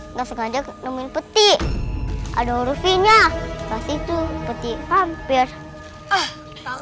nggak sengaja ke temen peti adoro vinyah pasti tuh peti vampir ah